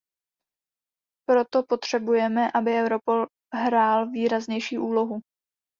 Proto potřebujeme, aby Europol hrál výraznější úlohu.